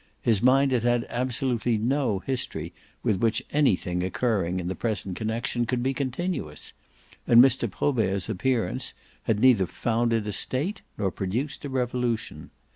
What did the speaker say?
His mind had had absolutely no history with which anything occurring in the present connexion could be continuous, and Mr. Probert's appearance had neither founded a state nor produced a revolution.